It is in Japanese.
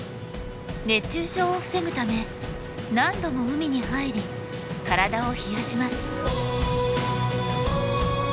熱中症を防ぐため何度も海に入り体を冷やします。